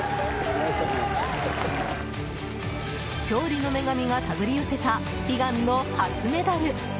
勝利の女神がたぐり寄せた悲願の初メダル。